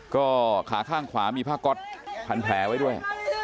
ก็ขาข้างขวามีผ้าก๊อตพันแผลไว้ด้วย